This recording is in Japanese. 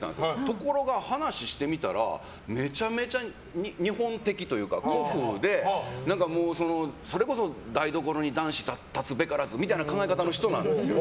ところが、話をしてみたらめちゃめちゃ日本的というか古風でそれこそ台所に男子立つべからずみたいな考え方の人なんですよ。